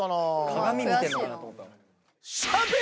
鏡見てんのかなと思った。